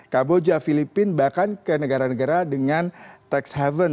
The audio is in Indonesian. kamboja filipina bahkan ke negara negara dengan tax haven